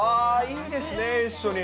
いいですね、一緒に。